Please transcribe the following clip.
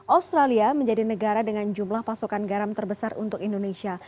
australia menjadi negara dengan jumlah pasokan garam terbesar untuk indonesia